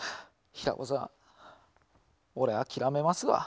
平子さん俺諦めますわ。